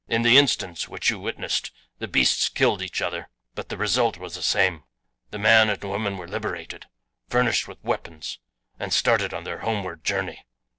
In the instance which you witnessed the beasts killed each other, but the result was the same the man and woman were liberated, furnished with weapons, and started on their homeward journey.